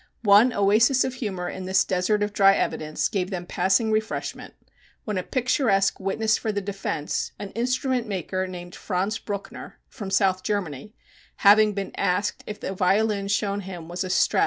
One oasis of humor in this desert of dry evidence gave them passing refreshment, when a picturesque witness for the defense, an instrument maker named Franz Bruckner, from South Germany, having been asked if the violin shown him was a Strad.